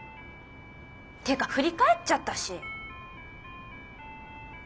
っていうか振り返っちゃったし。